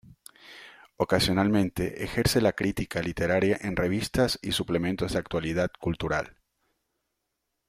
Ocasionalmente ejerce la crítica literaria en revistas y suplementos de actualidad cultural.